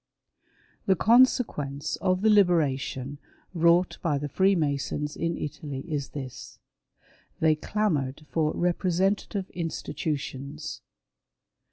The consequence of the " liberation " wrought by the Freemasons in Italy is this : They clamoured for representative institutions.